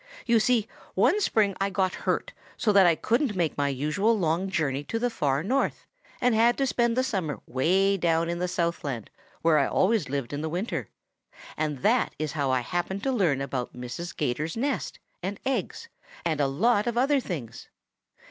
You see, one spring I got hurt so that I couldn't take my usual long journey to the Far North and had to spend the summer way down in the Southland where I always lived in the winter, and that is how I happened to learn about Mrs. 'Gator's nest and eggs and a lot of other things.